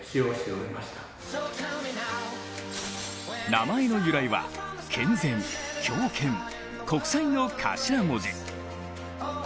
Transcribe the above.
名前の由来は健全、強健、国際の頭文字。